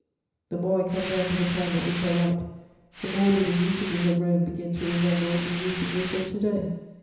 The more I come down to the time at which I write, the more do the usages of Rome begin to resemble the usages of to day.